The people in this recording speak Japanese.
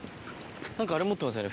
何かあれ持ってますよね